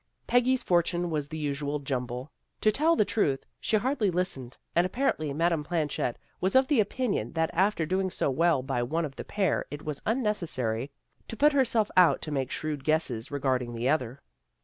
Peggy's fortune was the usual jumble. To tell the truth, she hardly listened, and ap parently Madame Planchet was of the opinion that after doing so well by one of the pair it was unnecessary to put herself out to make shrewd guesses regarding the other.